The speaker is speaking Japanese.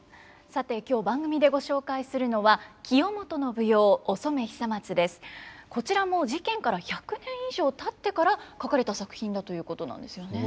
さて今日番組でご紹介するのは清元の舞踊「お染久松」です。こちらも事件から１００年以上たってから書かれた作品だということなんですよね。